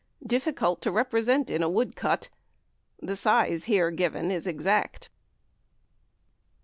difficult to represent in a woodcut. The size here given is exact.